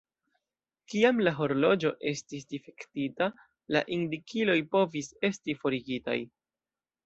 Kiam la horloĝo estis difektita, la indikiloj povis esti forigitaj.